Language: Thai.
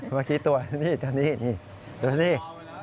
เมื่อกี้ตัวนี่นี่นี่นี่